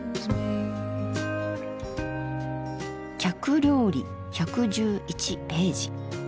「客料理１１１頁」。